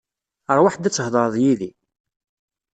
Rwaḥ-d ad thedreḍ yid-i.